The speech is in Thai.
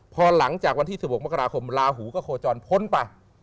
พอหลังจากวันที่๑๖มกราคมลาหูก็โคจรพ้นไป